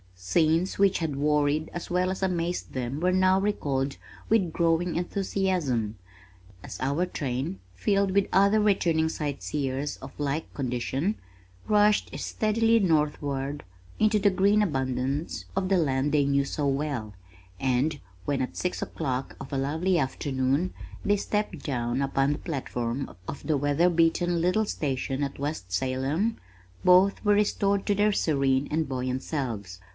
Scenes which had worried as well as amazed them were now recalled with growing enthusiasm, as our train, filled with other returning sightseers of like condition, rushed steadily northward into the green abundance of the land they knew so well, and when at six o'clock of a lovely afternoon, they stepped down upon the platform of the weather beaten little station at West Salem, both were restored to their serene and buoyant selves.